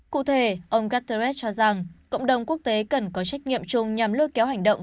cụ thể ông guterres cho rằng cộng đồng quốc tế cần có trách nhiệm chung nhằm lôi kéo hành động